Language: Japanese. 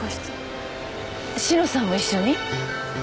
志乃さんも一緒に？